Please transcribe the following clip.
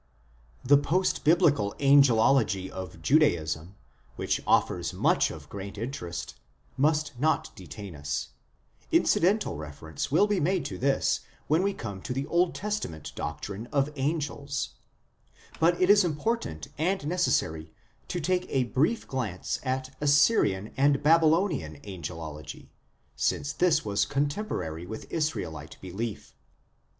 The post biblical Angelology of Judaism, which offers much of great interest, must not detain us ; incidental reference will be made to this when we come to the Old Testament doctrine of angels ; but it is important and necessary to take a brief glance at Assyrian and Babylonian angelology, since this was contemporary with Israelite belief.